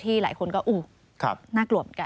หลายคนก็อู้น่ากลัวเหมือนกัน